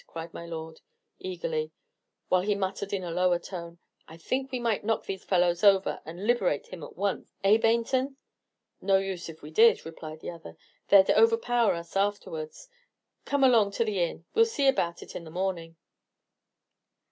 cried my lord, eagerly; while he muttered in a lower tone, "I think we might knock these fellows over and liberate him at once, eh, Baynton?" "No use if we did," replied the other; "they'd overpower us afterwards. Come along to the inn; we'll see about it in the morning."